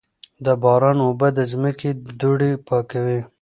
د باران اوبه د ځمکې دوړې پاکوي.